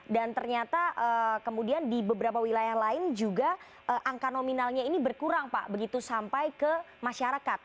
dan ternyata kemudian di beberapa wilayah lain juga angka nominalnya ini berkurang pak begitu sampai ke masyarakat